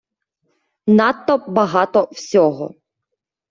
Надто багато всього.